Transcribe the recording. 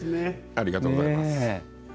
ありがとうございます。